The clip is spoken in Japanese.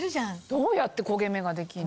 どうやって焦げ目ができんの？